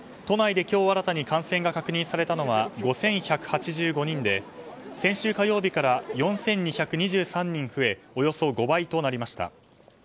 都内で今日新たに感染が確認されたのは５１８５人で先週火曜日から４２２３人増えおよそ５倍となりました。